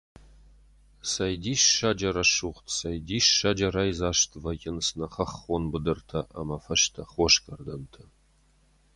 Цӕй диссаджы рӕсугъд, цӕй диссаджы райдзаст вӕййынц нӕ хӕххон быдыртӕ ӕмӕ фӕзтӕ хосгӕрдӕнты!